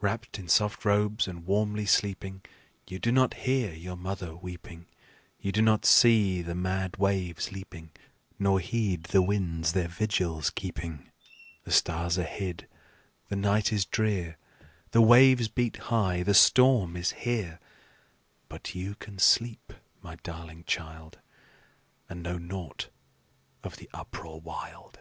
Wrapped in soft robes and warmly sleeping, You do not hear your mother weeping; You do not see the mad waves leaping, Nor heed the winds their vigils keeping. The stars are hid, the night is drear, The waves beat high, the storm is here; But you can sleep, my darling child, And know naught of the uproar wild."